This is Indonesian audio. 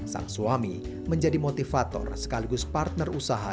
sang suami menjadi motivator sekaligus partner usaha